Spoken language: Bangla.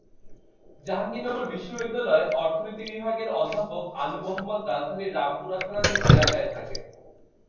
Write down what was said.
জাহাঙ্গীরনগর বিশ্ববিদ্যালয়ের অর্থনীতি বিভাগের অধ্যাপক আনু মুহাম্মদ রাজধানীর রামপুরা থানাধীন এলাকায় থাকেন।